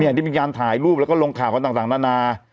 เนี่ยนี่เป็นการถ่ายรูปแล้วก็ลงข่าวของต่างนานา